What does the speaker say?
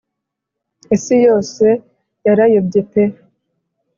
Isi yose yarayobye pe